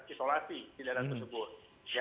isolasi tidak ada tersebut